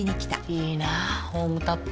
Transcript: いいなホームタップ。